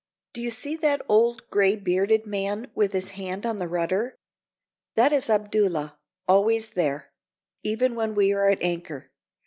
Do you see that old gray bearded man with his hand on the rudder? That is Abdullah, always there, even when we are at anchor.